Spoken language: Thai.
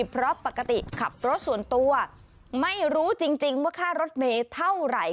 เพราะปกติขับรถส่วนตัวไม่รู้จริงว่าค่ารถเมย์เท่าไหร่